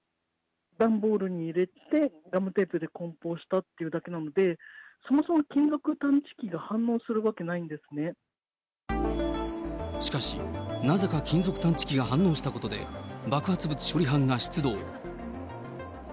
段ボールに入れて、ガムテープで梱包したというだけなので、そもそも金属探知機が反しかし、なぜか金属探知機が反応したことで、爆発物処理班が出動。